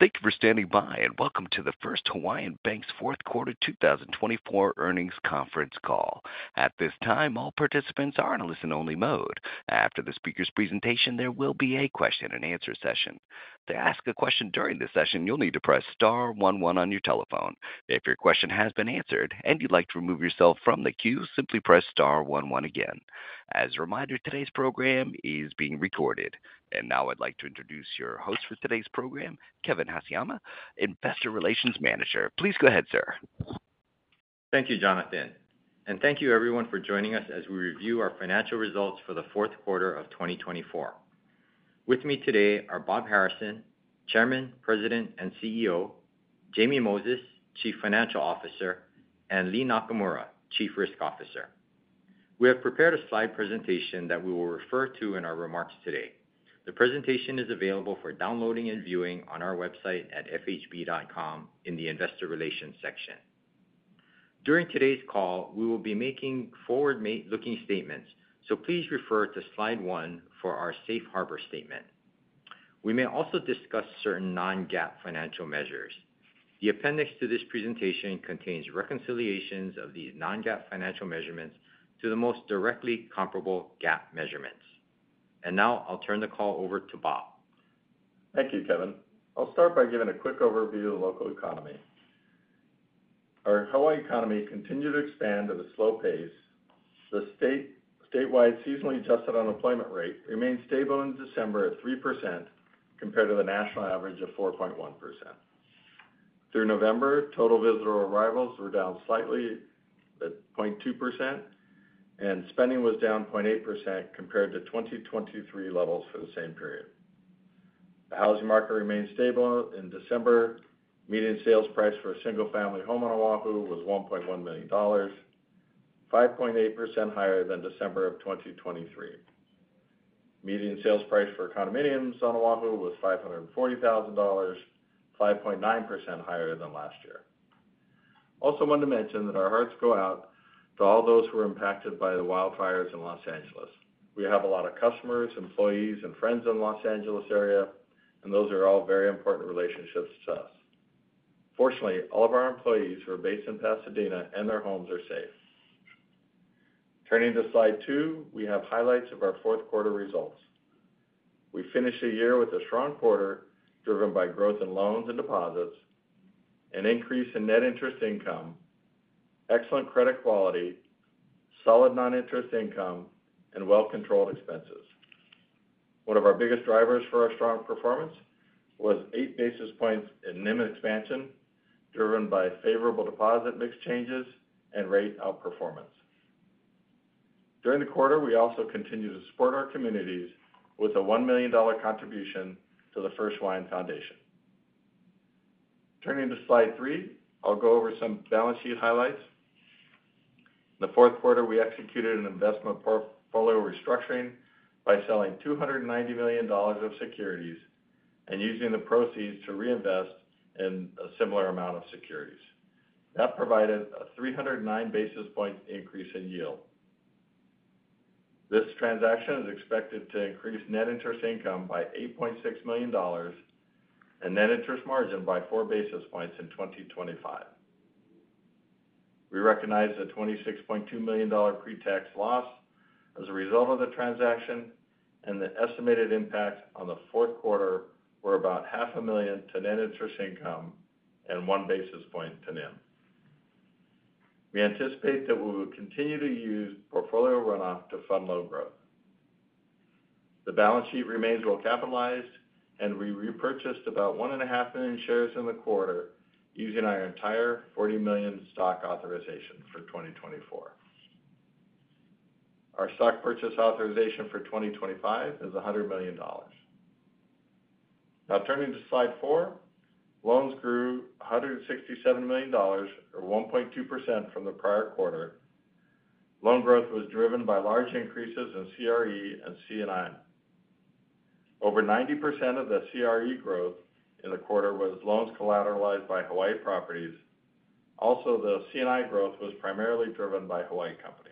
Thank you for standing by, and welcome to the First Hawaiian Bank's Fourth Quarter 2024 Earnings Conference call. At this time, all participants are in a listen-only mode. After the speaker's presentation, there will be a question-and-answer session. To ask a question during this session, you'll need to press star 11 on your telephone. If your question has been answered and you'd like to remove yourself from the queue, simply press star 11 again. As a reminder, today's program is being recorded. And now I'd like to introduce your host for today's program, Kevin Haseyama, Investor Relations Manager. Please go ahead, sir. Thank you, Jonathan, and thank you, everyone, for joining us as we review our financial results for the fourth quarter of 2024. With me today are Bob Harrison, Chairman, President, and CEO; Jamie Moses, Chief Financial Officer; and Lea Nakamura, Chief Risk Officer. We have prepared a slide presentation that we will refer to in our remarks today. The presentation is available for downloading and viewing on our website at fhb.com in the Investor Relations section. During today's call, we will be making forward-looking statements, so please refer to slide one for our Safe Harbor Statement. We may also discuss certain non-GAAP financial measures. The appendix to this presentation contains reconciliations of these non-GAAP financial measurements to the most directly comparable GAAP measurements. Now I'll turn the call over to Bob. Thank you, Kevin. I'll start by giving a quick overview of the local economy. Our Hawaii economy continued to expand at a slow pace. The statewide seasonally adjusted unemployment rate remained stable in December at 3% compared to the national average of 4.1%. Through November, total visitor arrivals were down slightly at 0.2%, and spending was down 0.8% compared to 2023 levels for the same period. The housing market remained stable in December. Median sales price for a single-family home on Oahu was $1.1 million, 5.8% higher than December of 2023. Median sales price for condominiums on Oahu was $540,000, 5.9% higher than last year. Also, I want to mention that our hearts go out to all those who were impacted by the wildfires in Los Angeles. We have a lot of customers, employees, and friends in the Los Angeles area, and those are all very important relationships to us. Fortunately, all of our employees who are based in Pasadena and their homes are safe. Turning to slide two, we have highlights of our fourth quarter results. We finished the year with a strong quarter driven by growth in loans and deposits, an increase in net interest income, excellent credit quality, solid non-interest income, and well-controlled expenses. One of our biggest drivers for our strong performance was eight basis points in NIM expansion, driven by favorable deposit mix changes and rate outperformance. During the quarter, we also continued to support our communities with a $1 million contribution to the First Hawaiian Foundation. Turning to slide three, I'll go over some balance sheet highlights. In the fourth quarter, we executed an investment portfolio restructuring by selling $290 million of securities and using the proceeds to reinvest in a similar amount of securities. That provided a 309 basis points increase in yield. This transaction is expected to increase net interest income by $8.6 million and net interest margin by four basis points in 2025. We recognize a $26.2 million pre-tax loss as a result of the transaction, and the estimated impact on the fourth quarter was about $500,000 to net interest income and one basis point to NIM. We anticipate that we will continue to use portfolio runoff to fund loan growth. The balance sheet remains well-capitalized, and we repurchased about 1.5 million shares in the quarter using our entire 40 million stock authorization for 2024. Our stock purchase authorization for 2025 is $100 million. Now, turning to slide four, loans grew $167 million, or 1.2% from the prior quarter. Loan growth was driven by large increases in CRE and C&I. Over 90% of the CRE growth in the quarter was loans collateralized by Hawaii properties. Also, the C&I growth was primarily driven by Hawaii companies.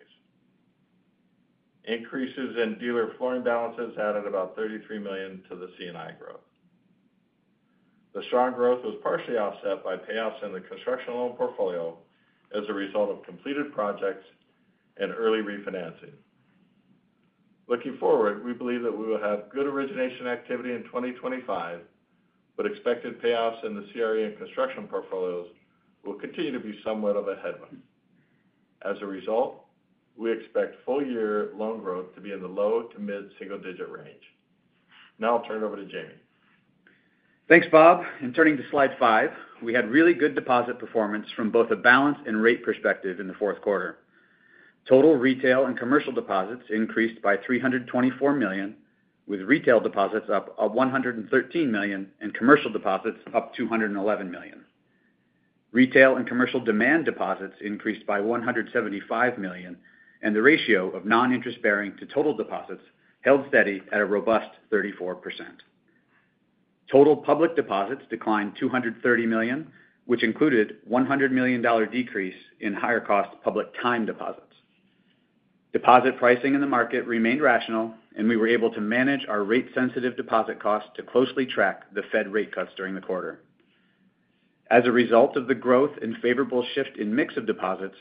Increases in dealer flooring balances added about $33 million to the C&I growth. The strong growth was partially offset by payoffs in the construction loan portfolio as a result of completed projects and early refinancing. Looking forward, we believe that we will have good origination activity in 2025, but expected payoffs in the CRE and construction portfolios will continue to be somewhat of a headwind. As a result, we expect full-year loan growth to be in the low to mid single-digit range. Now I'll turn it over to Jamie. Thanks, Bob. And turning to slide five, we had really good deposit performance from both a balance and rate perspective in the fourth quarter. Total retail and commercial deposits increased by $324 million, with retail deposits up $113 million and commercial deposits up $211 million. Retail and commercial demand deposits increased by $175 million, and the ratio of non-interest bearing to total deposits held steady at a robust 34%. Total public deposits declined $230 million, which included a $100 million decrease in higher-cost public time deposits. Deposit pricing in the market remained rational, and we were able to manage our rate-sensitive deposit costs to closely track the Fed rate cuts during the quarter. As a result of the growth and favorable shift in mix of deposits,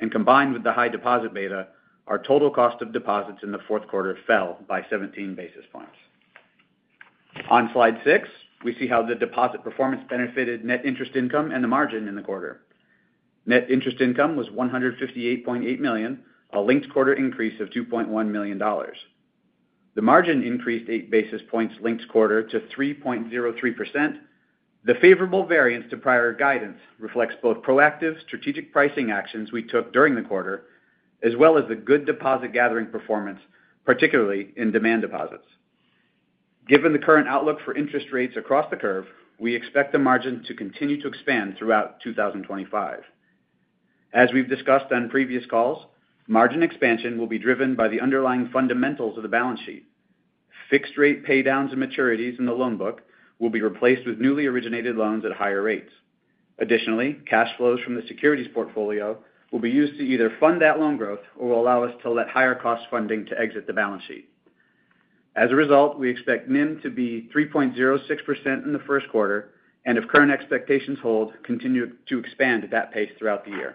and combined with the high deposit beta, our total cost of deposits in the fourth quarter fell by 17 basis points. On slide six, we see how the deposit performance benefited net interest income and the margin in the quarter. Net interest income was $158.8 million, a linked quarter increase of $2.1 million. The margin increased eight basis points linked quarter to 3.03%. The favorable variance to prior guidance reflects both proactive strategic pricing actions we took during the quarter, as well as the good deposit gathering performance, particularly in demand deposits. Given the current outlook for interest rates across the curve, we expect the margin to continue to expand throughout 2025. As we've discussed on previous calls, margin expansion will be driven by the underlying fundamentals of the balance sheet. Fixed-rate paydowns and maturities in the loan book will be replaced with newly originated loans at higher rates. Additionally, cash flows from the securities portfolio will be used to either fund that loan growth or will allow us to let higher-cost funding to exit the balance sheet. As a result, we expect NIM to be 3.06% in the first quarter, and if current expectations hold, continue to expand at that pace throughout the year.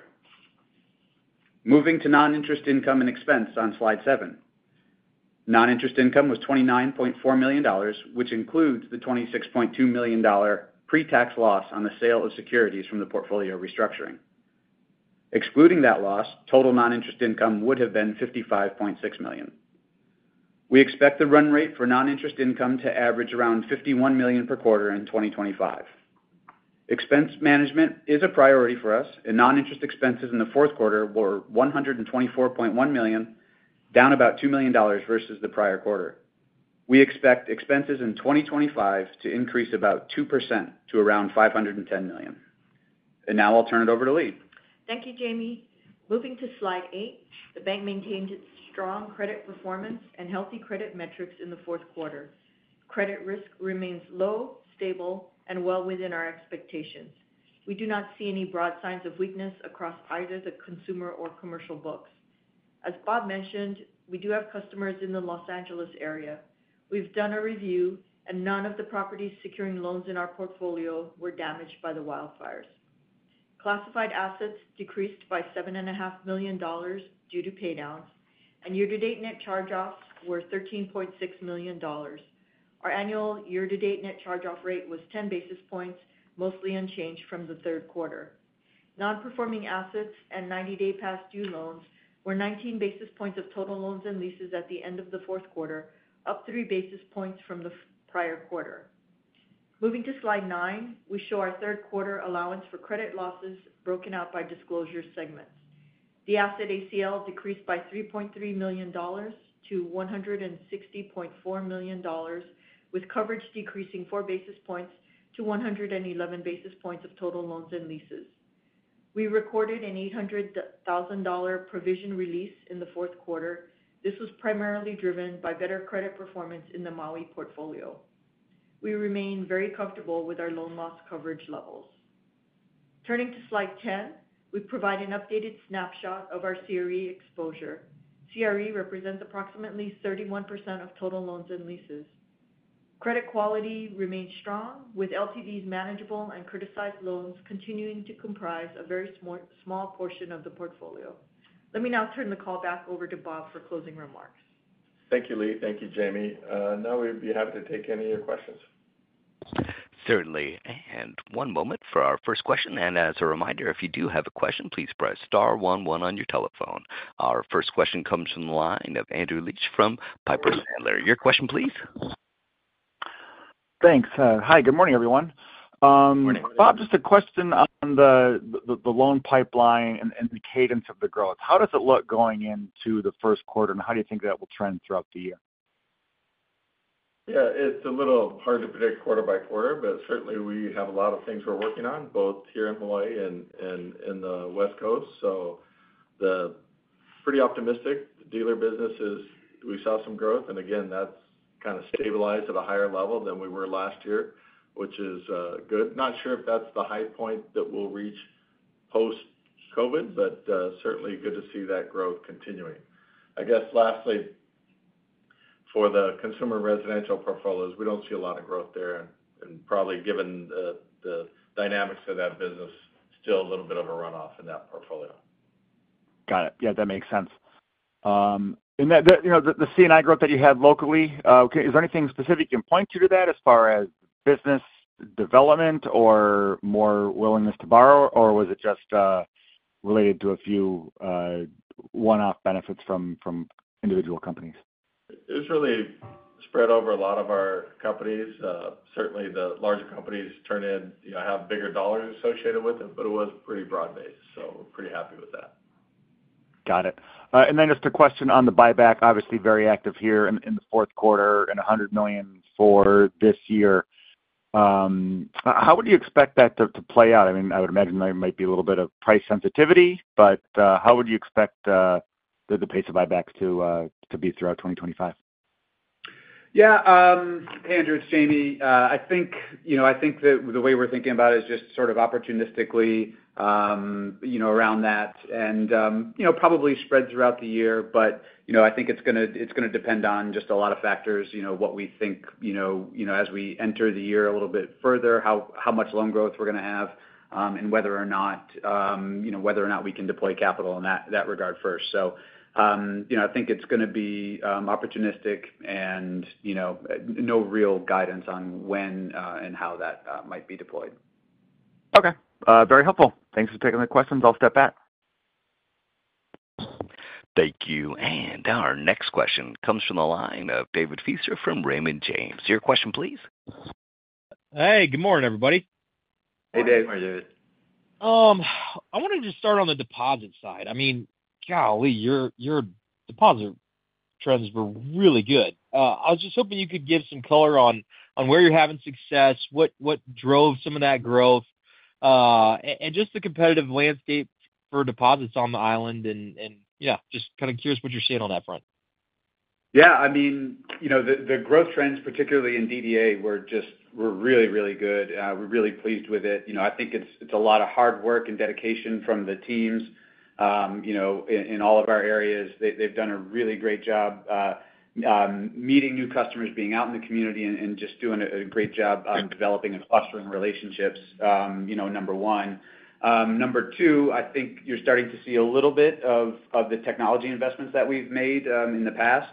Moving to non-interest income and expense on slide seven. Non-interest income was $29.4 million, which includes the $26.2 million pre-tax loss on the sale of securities from the portfolio restructuring. Excluding that loss, total non-interest income would have been $55.6 million. We expect the run rate for non-interest income to average around $51 million per quarter in 2025. Expense management is a priority for us, and non-interest expenses in the fourth quarter were $124.1 million, down about $2 million versus the prior quarter. We expect expenses in 2025 to increase about 2% to around $510 million. And now I'll turn it over to Lea. Thank you, Jamie. Moving to slide eight, the bank maintained its strong credit performance and healthy credit metrics in the fourth quarter. Credit risk remains low, stable, and well within our expectations. We do not see any broad signs of weakness across either the consumer or commercial books. As Bob mentioned, we do have customers in the Los Angeles area. We've done a review, and none of the properties securing loans in our portfolio were damaged by the wildfires. Classified assets decreased by $7.5 million due to paydowns, and year-to-date net charge-offs were $13.6 million. Our annual year-to-date net charge-off rate was 10 basis points, mostly unchanged from the third quarter. Non-performing assets and 90-day past due loans were 19 basis points of total loans and leases at the end of the fourth quarter, up three basis points from the prior quarter. Moving to slide nine, we show our third quarter allowance for credit losses broken out by disclosure segments. The asset ACL decreased by $3.3 million to $160.4 million, with coverage decreasing four basis points to 111 basis points of total loans and leases. We recorded an $800,000 provision release in the fourth quarter. This was primarily driven by better credit performance in the Maui portfolio. We remain very comfortable with our loan loss coverage levels. Turning to slide ten, we provide an updated snapshot of our CRE exposure. CRE represents approximately 31% of total loans and leases. Credit quality remains strong, with LTVs manageable and criticized loans continuing to comprise a very small portion of the portfolio. Let me now turn the call back over to Bob for closing remarks. Thank you, Lea. Thank you, Jamie. Now we'd be happy to take any of your questions. Certainly. And one moment for our first question. And as a reminder, if you do have a question, please press star 11 on your telephone. Our first question comes from the line of Andrew Liesch from Piper Sandler. Your question, please. Thanks. Hi, good morning, everyone. Good morning. Bob, just a question on the loan pipeline and the cadence of the growth. How does it look going into the first quarter, and how do you think that will trend throughout the year? Yeah, it's a little hard to predict quarter by quarter, but certainly we have a lot of things we're working on, both here in Hawaii and in the West Coast. So pretty optimistic. The dealer business is, we saw some growth, and again, that's kind of stabilized at a higher level than we were last year, which is good. Not sure if that's the high point that we'll reach post-COVID, but certainly good to see that growth continuing. I guess lastly, for the consumer residential portfolios, we don't see a lot of growth there, and probably given the dynamics of that business, still a little bit of a runoff in that portfolio. Got it. Yeah, that makes sense. And the C&I growth that you had locally, is there anything specific you can point to, as far as business development or more willingness to borrow, or was it just related to a few one-off benefits from individual companies? It was really spread over a lot of our companies. Certainly, the larger companies turn in, have bigger dollars associated with it, but it was pretty broad-based, so we're pretty happy with that. Got it. And then just a question on the buyback, obviously very active here in the fourth quarter and $100 million for this year. How would you expect that to play out? I mean, I would imagine there might be a little bit of price sensitivity, but how would you expect the pace of buybacks to be throughout 2025? Yeah, Andrew, it's Jamie. I think the way we're thinking about it is just sort of opportunistically around that and probably spread throughout the year, but I think it's going to depend on just a lot of factors, what we think as we enter the year a little bit further, how much loan growth we're going to have, and whether or not we can deploy capital in that regard first. So I think it's going to be opportunistic and no real guidance on when and how that might be deployed. Okay. Very helpful. Thanks for taking the questions. I'll step back. Thank you. And our next question comes from the line of David Feaster from Raymond James. Your question, please. Hey, good morning, everybody. Hey, Dave. Hi David? I wanted to just start on the deposit side. I mean, golly, your deposit trends were really good. I was just hoping you could give some color on where you're having success, what drove some of that growth, and just the competitive landscape for deposits on the island, and yeah, just kind of curious what you're seeing on that front. Yeah. I mean, the growth trends, particularly in DDA, were really, really good. We're really pleased with it. I think it's a lot of hard work and dedication from the teams in all of our areas. They've done a really great job meeting new customers, being out in the community, and just doing a great job developing and fostering relationships, number one. Number two, I think you're starting to see a little bit of the technology investments that we've made in the past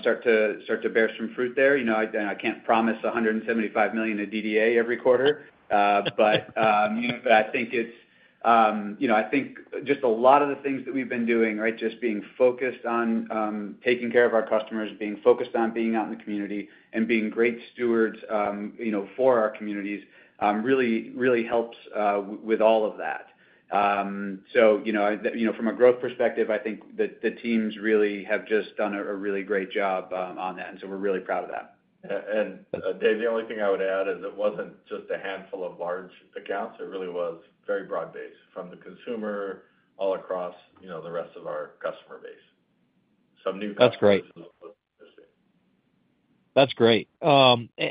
start to bear some fruit there. I can't promise $175 million to DDA every quarter, but I think just a lot of the things that we've been doing, right, just being focused on taking care of our customers, being focused on being out in the community, and being great stewards for our communities really helps with all of that. So from a growth perspective, I think the teams really have just done a really great job on that, and so we're really proud of that. And Dave, the only thing I would add is it wasn't just a handful of large accounts. It really was very broad-based from the consumer all across the rest of our customer base. Some new customers are looking for. That's great. That's great.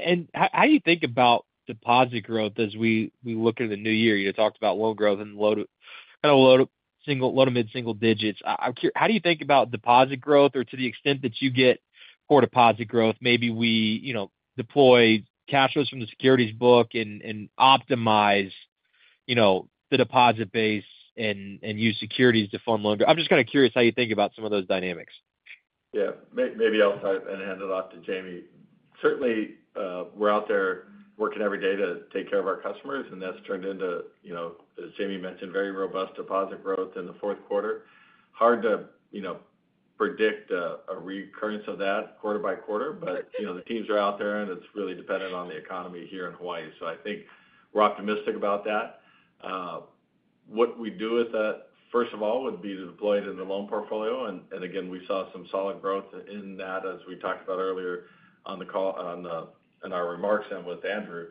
And how do you think about deposit growth as we look at the new year? You talked about loan growth and kind of low to mid-single digits. How do you think about deposit growth, or to the extent that you get core deposit growth, maybe we deploy cash flows from the securities book and optimize the deposit base and use securities to fund loan growth? I'm just kind of curious how you think about some of those dynamics. Yeah. Maybe I'll type and hand it off to Jamie. Certainly, we're out there working every day to take care of our customers, and that's turned into, as Jamie mentioned, very robust deposit growth in the fourth quarter. Hard to predict a recurrence of that quarter by quarter, but the teams are out there, and it's really dependent on the economy here in Hawaii. So I think we're optimistic about that. What we do with that, first of all, would be to deploy it in the loan portfolio. And again, we saw some solid growth in that, as we talked about earlier in our remarks and with Andrew.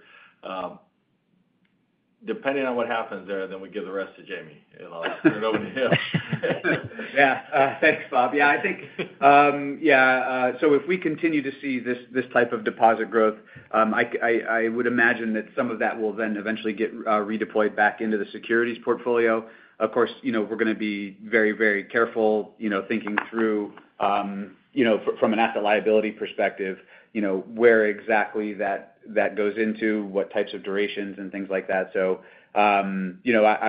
Depending on what happens there, then we give the rest to Jamie. I'll turn it over to him. Yeah. Thanks, Bob. Yeah, I think, yeah, so if we continue to see this type of deposit growth, I would imagine that some of that will then eventually get redeployed back into the securities portfolio. Of course, we're going to be very, very careful thinking through, from an asset liability perspective, where exactly that goes into, what types of durations, and things like that. So I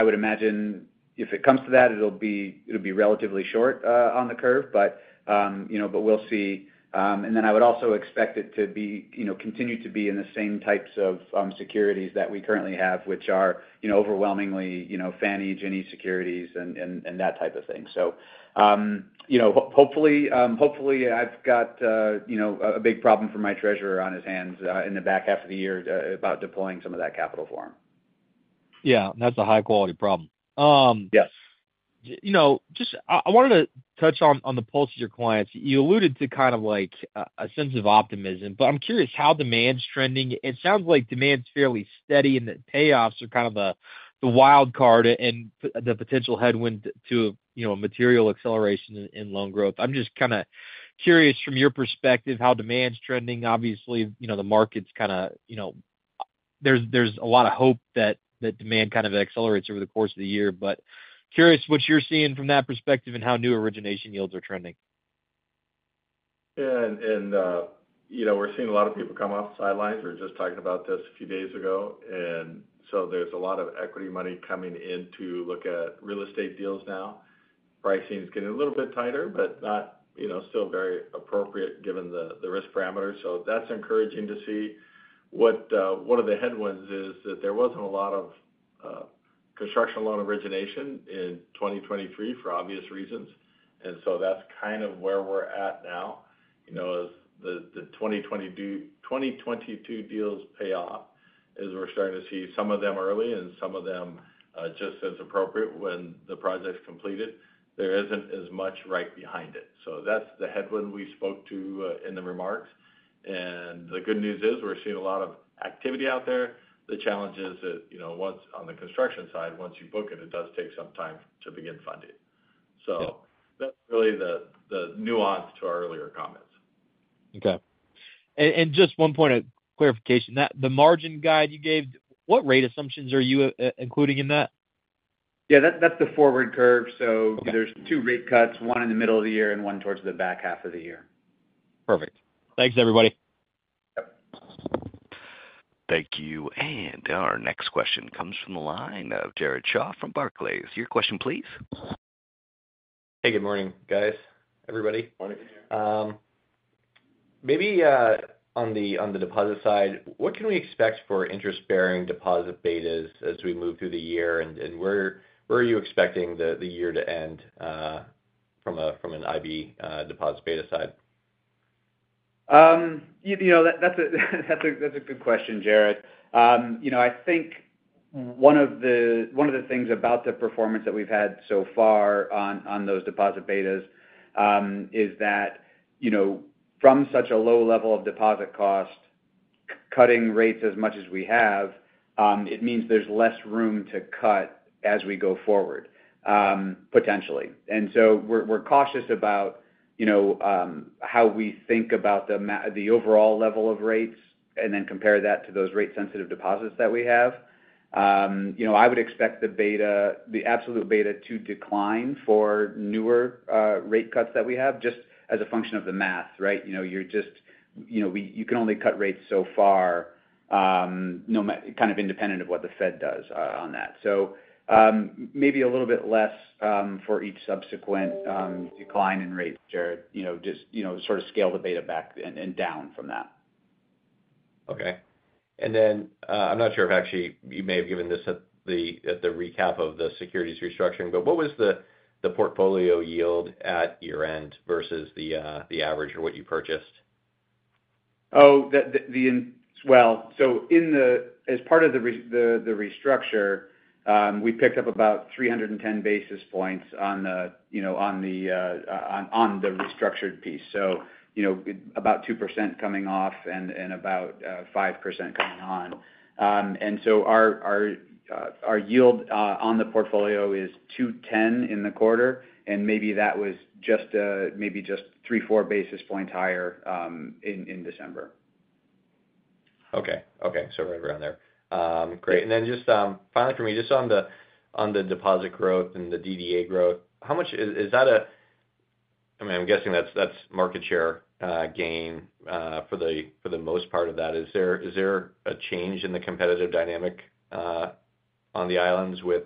would imagine if it comes to that, it'll be relatively short on the curve, but we'll see. And then I would also expect it to continue to be in the same types of securities that we currently have, which are overwhelmingly Fannie and Ginnie securities and that type of thing. So hopefully, I've got a big problem for my treasurer on his hands in the back half of the year about deploying some of that capital for him. Yeah. That's a high-quality problem. Yes. Just, I wanted to touch on the pulse of your clients. You alluded to kind of like a sense of optimism, but I'm curious how demand's trending. It sounds like demand's fairly steady, and the payoffs are kind of the wild card and the potential headwind to a material acceleration in loan growth. I'm just kind of curious from your perspective how demand's trending. Obviously, there's a lot of hope that demand kind of accelerates over the course of the year, but curious what you're seeing from that perspective and how new origination yields are trending. Yeah. And we're seeing a lot of people come off the sidelines. We were just talking about this a few days ago. And so there's a lot of equity money coming in to look at real estate deals now. Pricing's getting a little bit tighter, but still very appropriate given the risk parameters. So that's encouraging to see. One of the headwinds is that there wasn't a lot of construction loan origination in 2023 for obvious reasons. And so that's kind of where we're at now. The 2022 deals pay off as we're starting to see some of them early and some of them just as appropriate when the project's completed. There isn't as much right behind it. So that's the headwind we spoke to in the remarks. And the good news is we're seeing a lot of activity out there. The challenge is that once on the construction side, once you book it, it does take some time to begin funding. So that's really the nuance to our earlier comments. Okay. And just one p oint of clarification. The margin guide you gave, what rate assumptions are you including in that? Yeah, that's the forward curve. So there's two rate cuts, one in the middle of the year and one towards the back half of the year. Perfect. Thanks, everybody. Thank you. And our next question comes from the line of Jared Shaw from Barclays. Your question, please. Hey, good morning, guys. Everybody. Good morning. Maybe on the deposit side, what can we expect for interest-bearing deposit betas as we move through the year? And where are you expecting the year to end from an IB deposit beta side? That's a good question, Jared. I think one of the things about the performance that we've had so far on those deposit betas is that from such a low level of deposit cost, cutting rates as much as we have, it means there's less room to cut as we go forward, potentially. And so we're cautious about how we think about the overall level of rates and then compare that to those rate-sensitive deposits that we have. I would expect the absolute beta to decline for newer rate cuts that we have just as a function of the math, right? You can only cut rates so far kind of independent of what the Fed does on that. So maybe a little bit less for each subsequent decline in rates, Jared, just sort of scale the beta back and down from that. Okay. And then I'm not sure if actually you may have given this at the recap of the securities restructuring, but what was the portfolio yield at year-end versus the average or what you purchased? Oh, well, so as part of the restructure, we picked up about 310 basis points on the restructured piece, so about 2% coming off and about 5% coming on. And so our yield on the portfolio is 210 in the quarter, and maybe that was just three, four basis points higher in December. Okay. Okay. So right around there. Great. And then just finally for me, just on the deposit growth and the DDA growth, is that a—I mean, I'm guessing that's market share gain for the most part of that. Is there a change in the competitive dynamic on the islands with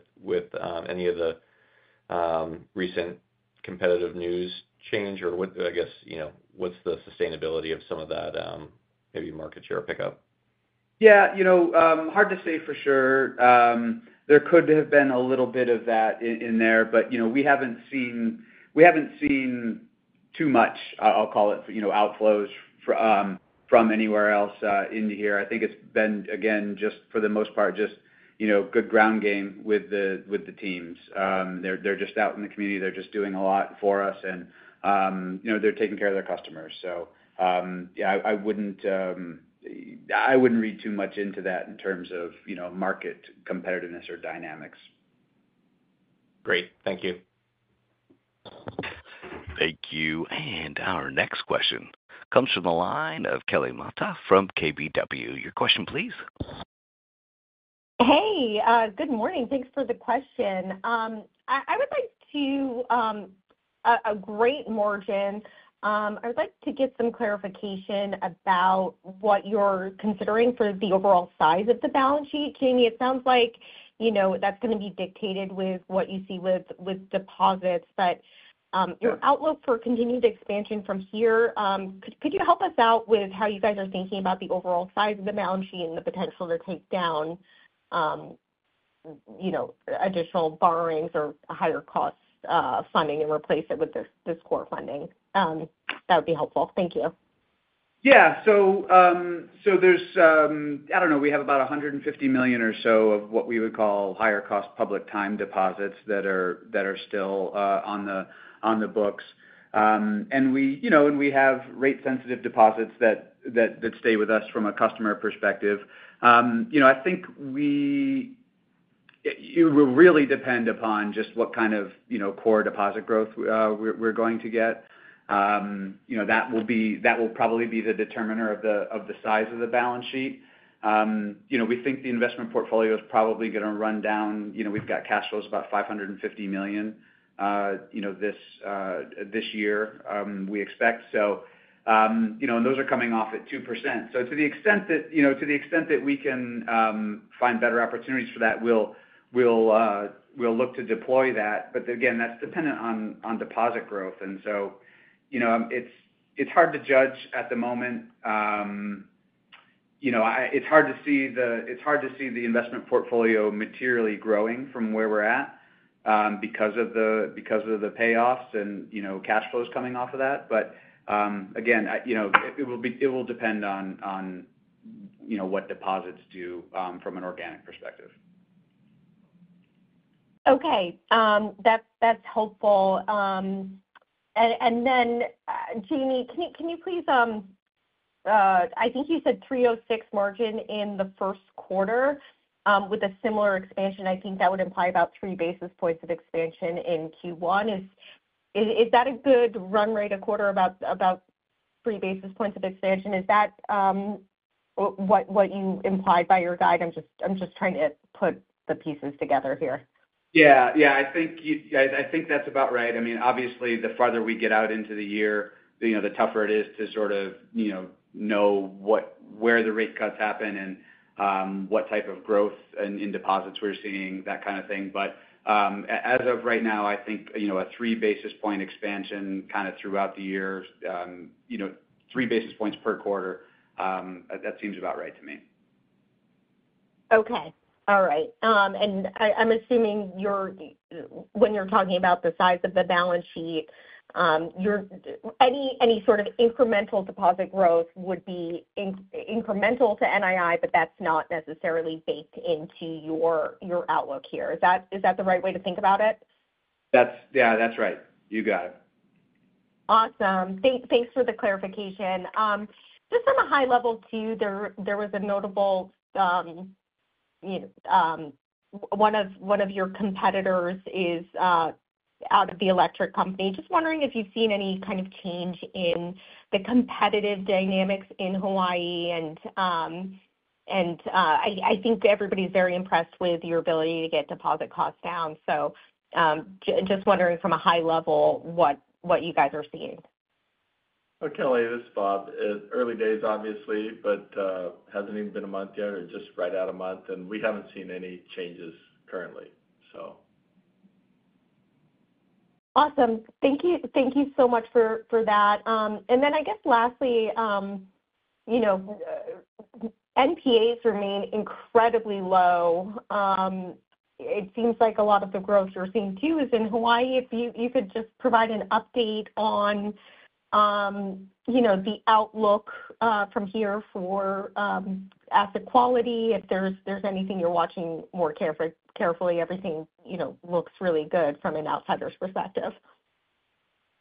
any of the recent competitive news change, or I guess what's the sustainability of some of that maybe market share pickup? Yeah. Hard to say for sure. There could have been a little bit of that in there, but we haven't seen too much, I'll call it, outflows from anywhere else in here. I think it's been, again, just for the most part, just good ground game with the teams. They're just out in the community. They're just doing a lot for us, and they're taking care of their customers. So yeah, I wouldn't read too much into that in terms of market competitiveness or dynamics. Great. Thank you. Thank you. And our next question comes from the line of Kelly Motta from KBW. Your question, please. Hey, good morning. Thanks for the question. I would like to get some clarification about what you're considering for the overall size of the balance sheet. Jamie, it sounds like that's going to be dictated with what you see with deposits, but your outlook for continued expansion from here, could you help us out with how you guys are thinking about the overall size of the balance sheet and the potential to take down additional borrowings or higher-cost funding and replace it with this core funding? That would be helpful. Thank you. Yeah. So there's. I don't know. We have about $150 million or so of what we would call higher-cost public time deposits that are still on the books. And we have rate-sensitive deposits that stay with us from a customer perspective. I think we really depend upon just what kind of core deposit growth we're going to get. That will probably be the determiner of the size of the balance sheet. We think the investment portfolio is probably going to run down. We've got cash flows about $550 million this year, we expect. And those are coming off at 2%. So to the extent that, to the extent that we can find better opportunities for that, we'll look to deploy that. But again, that's dependent on deposit growth. And so it's hard to judge at the moment. It's hard to see the investment portfolio materially growing from where we're at because of the payoffs and cash flows coming off of that. But again, it will depend on what deposits do from an organic perspective. Okay. That's helpful. And then, Jamie, can you please, I think you said 306 margin in the first quarter with a similar expansion. I think that would imply about three basis points of expansion in Q1. Is that a good run rate a quarter, about three basis points of expansion? Is that what you implied by your guide? I'm just trying to put the pieces together here. Yeah. Yeah. I think that's about right. I mean, obviously, the farther we get out into the year, the tougher it is to sort of know where the rate cuts happen and what type of growth in deposits we're seeing, that kind of thing. But as of right now, I think a three basis point expansion kind of throughout the year, three basis points per quarter, that seems about right to me. Okay. All right, and I'm assuming when you're talking about the size of the balance sheet, any sort of incremental deposit growth would be incremental to NII, but that's not necessarily baked into your outlook here. Is that the right way to think about it? Yeah. That's right. You got it. Awesome. Thanks for the clarification. Just on a high level too, there was a notable, one of your competitors is owned by the electric company. Just wondering if you've seen any kind of change in the competitive dynamics in Hawaii? And I think everybody's very impressed with your ability to get deposit costs down. So just wondering from a high level what you guys are seeing? Oh, Kelly, this is Bob. Early days, obviously, but hasn't even been a month yet. It's just right out of month, and we haven't seen any changes currently, so. Awesome. Thank you so much for that. And then I guess lastly, NPAs remain incredibly low. It seems like a lot of the growth you're seeing too is in Hawaii. If you could just provide an update on the outlook from here for asset quality, if there's anything you're watching more carefully, everything looks really good from an outsider's perspective.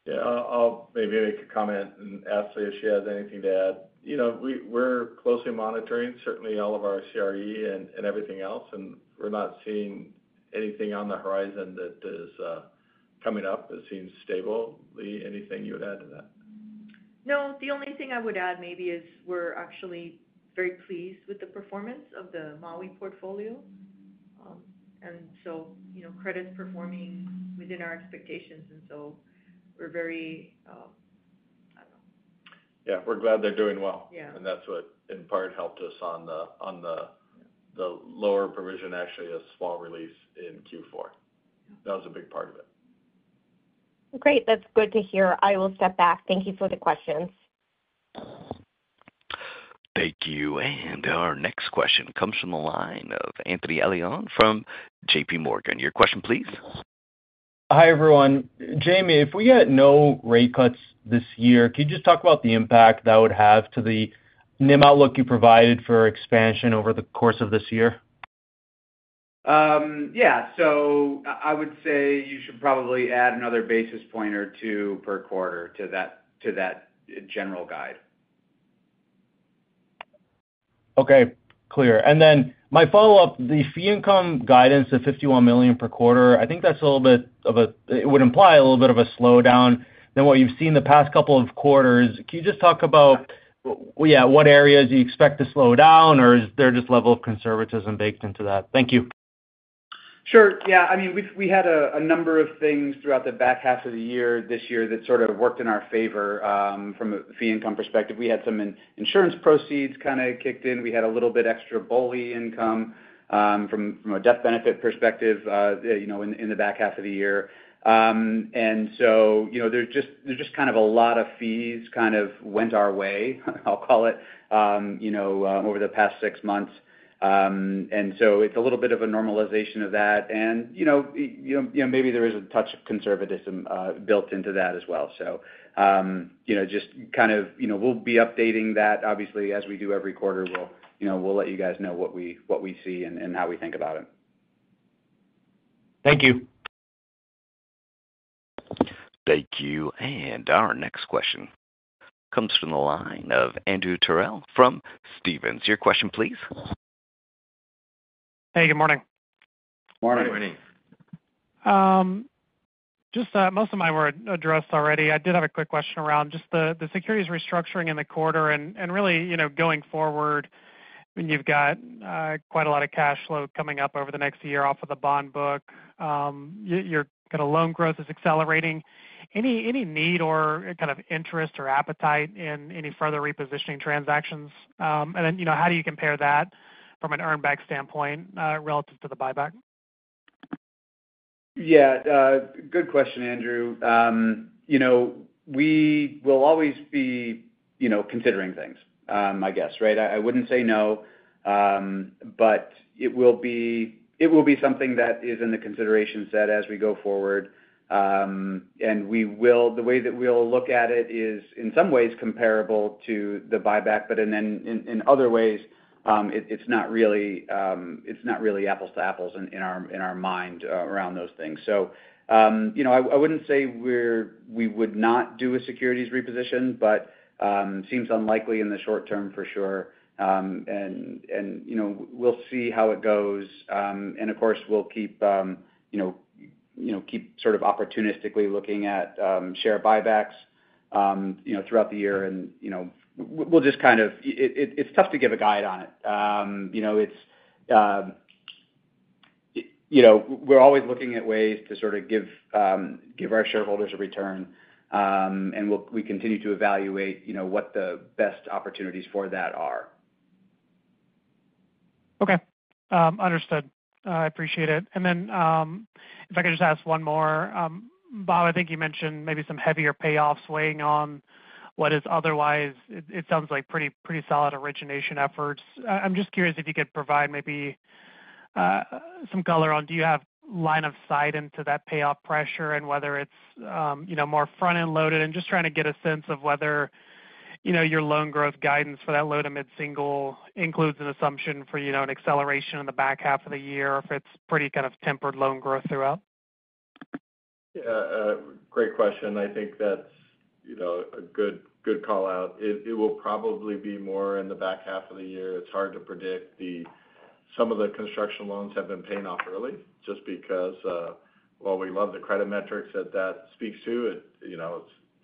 Yeah. I'll maybe make a comment and ask Lea if she has anything to add. We're closely monitoring, certainly, all of our CRE and everything else, and we're not seeing anything on the horizon that is coming up. It seems stable. Lea, anything you would add to that? No. The only thing I would add maybe is we're actually very pleased with the performance of the Maui portfolio. And so credit's performing within our expectations, and so we're very—I don't know. Yeah. We're glad they're doing well. And that's what, in part, helped us on the lower provision, actually, a small release in Q4. That was a big part of it. Well, great. That's good to hear. I will step back. Thank you for the questions. Thank you. And our next question comes from the line of Anthony Elian from J.P. Morgan. Your question, please. Hi everyone. Jamie, if we had no rate cuts this year, could you just talk about the impact that would have to the NIM outlook you provided for expansion over the course of this year? Yeah, so I would say you should probably add another basis point or two per quarter to that general guide. Okay. Clear. And then my follow-up, the fee income guidance of $51 million per quarter, I think that's a little bit of a—it would imply a little bit of a slowdown than what you've seen the past couple of quarters. Can you just talk about, yeah, what areas you expect to slow down, or is there just level of conservatism baked into that? Thank you. Sure. Yeah, I mean, we had a number of things throughout the back half of the year this year that sort of worked in our favor from a fee income perspective. We had some insurance proceeds kind of kicked in. We had a little bit extra BOLI income from a death benefit perspective in the back half of the year, and so there's just kind of a lot of fees kind of went our way, I'll call it, over the past six months, and so it's a little bit of a normalization of that, and maybe there is a touch of conservatism built into that as well, so just kind of we'll be updating that. Obviously, as we do every quarter, we'll let you guys know what we see and how we think about it. Thank you. Thank you. And our next question comes from the line of Andrew Terrell from Stephens. Your question, please. Hey, good morning. Morning. Good morning. Just most of mine were addressed already. I did have a quick question around just the securities restructuring in the quarter. And really, going forward, I mean, you've got quite a lot of cash flow coming up over the next year off of the bond book. Loan growth is accelerating. Any need or kind of interest or appetite in any further repositioning transactions? And then how do you compare that from an earn-back standpoint relative to the buyback? Yeah. Good question, Andrew. We will always be considering things, I guess, right? I wouldn't say no, but it will be something that is in the consideration set as we go forward. And the way that we'll look at it is, in some ways, comparable to the buyback, but in other ways, it's not really apples to apples in our mind around those things. So I wouldn't say we would not do a securities reposition, but it seems unlikely in the short term for sure. And we'll see how it goes. And of course, we'll keep sort of opportunistically looking at share buybacks throughout the year. And we'll just kind of. It's tough to give a guide on it. We're always looking at ways to sort of give our shareholders a return, and we continue to evaluate what the best opportunities for that are. Okay. Understood. I appreciate it. And then if I could just ask one more, Bob, I think you mentioned maybe some heavier payoffs weighing on what is otherwise, it sounds like, pretty solid origination efforts. I'm just curious if you could provide maybe some color on do you have line of sight into that payoff pressure and whether it's more front-end loaded? And just trying to get a sense of whether your loan growth guidance for low- to mid-single includes an assumption for an acceleration in the back half of the year or if it's pretty kind of tempered loan growth throughout. Yeah. Great question. I think that's a good call out. It will probably be more in the back half of the year. It's hard to predict. Some of the construction loans have been paying off early just because, well, we love the credit metrics that that speaks to.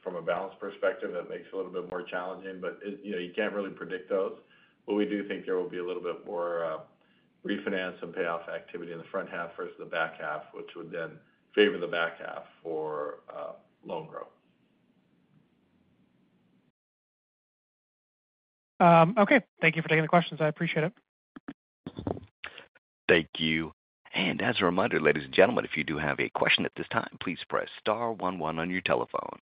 From a balance perspective, it makes it a little bit more challenging, but you can't really predict those. But we do think there will be a little bit more refinance and payoff activity in the front half versus the back half, which would then favor the back half for loan growth. Okay. Thank you for taking the questions. I appreciate it. Thank you. And as a reminder, ladies and gentlemen, if you do have a question at this time, please press star 11 on your telephone.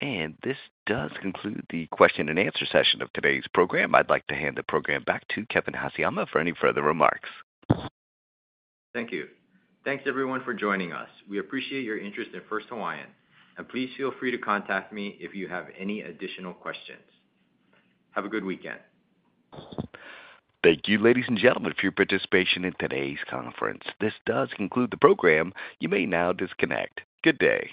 And this does conclude the question and answer session of today's program. I'd like to hand the program back to Kevin Haseyama for any further remarks. Thank you. Thanks, everyone, for joining us. We appreciate your interest in First Hawaiian. Please feel free to contact me if you have any additional questions. Have a good weekend. Thank you, ladies and gentlemen, for your participation in today's conference. This does conclude the program. You may now disconnect. Good day.